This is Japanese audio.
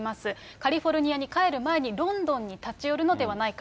カリフォルニアに帰る前にロンドンに立ち寄るのではないか。